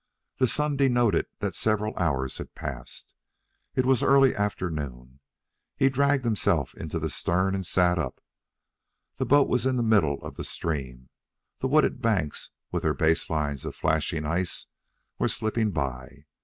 The sun denoted that several hours had passed. It was early afternoon. He dragged himself into the stern and sat up. The boat was in the middle of the stream. The wooded banks, with their base lines of flashing ice, were slipping by.